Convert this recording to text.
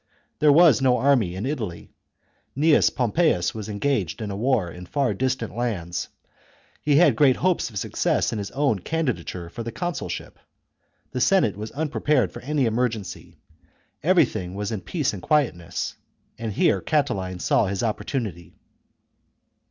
There was no army in Italy ; Gnaeus Pompeius was engaged in a war in far distant lands ; he had great hopes of success in his own candidature for the consulship ; the Senate was unprepared for any emergency ; everything was in peace and quietness, and here Catiline saw his opportunity.